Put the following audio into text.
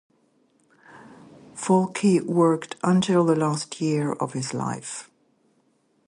Falke worked until the last year of his life.